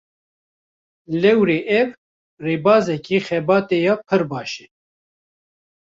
Lewre ev, rêbazeke xebatê ya pir baş e